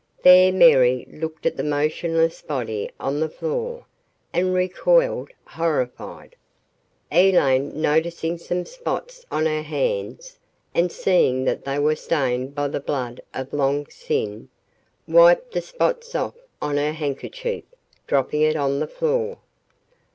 There Mary looked at the motionless body on the floor and recoiled, horrified. Elaine noticing some spots on her hands and seeing that they were stained by the blood of Long Sin, wiped the spots off on her hankerchief, dropping it on the floor.